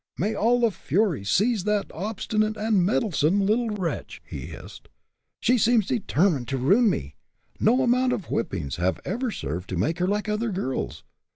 "May all the furies seize that obstinate and meddlesome little wretch!" he hissed. "She seems determined to ruin me. No amount of whippings have ever served to make her like other girls.